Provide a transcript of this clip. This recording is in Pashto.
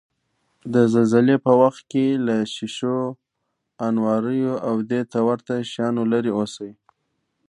د زلزلې په وخت کې له شیشو، انواریو، او دېته ورته شیانو لرې اوسئ.